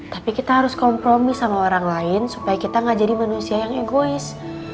tapi kita harus kompromi sama orang lain supaya kita gak jadi manusia yang egois